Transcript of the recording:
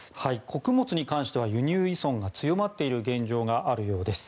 穀物に関しては輸入依存が強まっている現状があるようです。